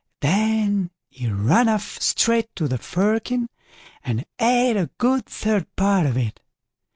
Then he ran off straight to the firkin and ate a good third part of it.